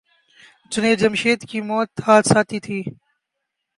جنید جمشید کی موت حادثاتی تھی۔